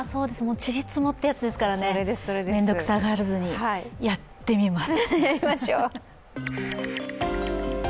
ちりつもってやつですからね、めんどくさがらずにやってみます。